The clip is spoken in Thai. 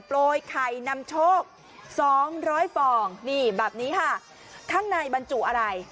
โปรยไข่นำโชคสองร้อยฟองนี่แบบนี้ค่ะข้างในบรรจุอะไร